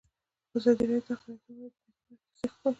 ازادي راډیو د اقلیتونه په اړه د نېکمرغۍ کیسې بیان کړې.